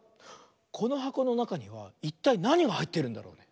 このはこのなかにはいったいなにがはいってるんだろうね？